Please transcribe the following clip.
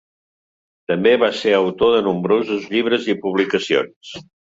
També va ser autor de nombrosos llibres i publicacions.